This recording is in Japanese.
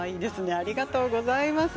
ありがとうございます。